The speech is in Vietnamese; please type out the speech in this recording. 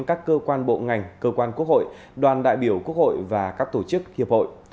các cơ quan bộ ngành cơ quan quốc hội đoàn đại biểu quốc hội và các tổ chức hiệp hội